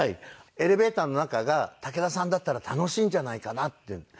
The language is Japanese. エレベーターの中が武田さんだったら楽しいんじゃないかなっていうんで。